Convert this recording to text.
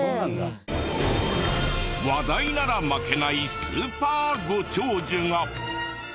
話題なら負けないスーパーご長寿が。